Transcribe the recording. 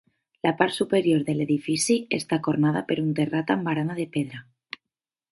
La part superior de l'edifici està cornada per un terrat amb barana de pedra.